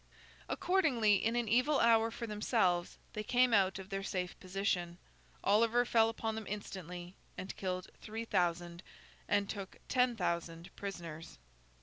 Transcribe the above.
Accordingly, in an evil hour for themselves, they came out of their safe position. Oliver fell upon them instantly, and killed three thousand, and took ten thousand prisoners.